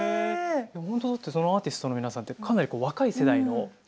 本当だってそのアーティストの皆さんってかなり若い世代の方々じゃないですか。